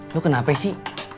lo kenapaih sih